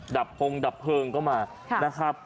ดับห่งดับเพลิงเข้ามา